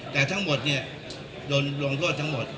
แต่ทั้งหมดเนี่ยโดนลงโทษทั้งหมด